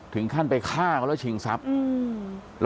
ถึงขั้นไปฆ่าเขาแล้วชิงทรัพย์